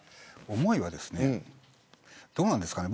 思いはですねどうなんですかね。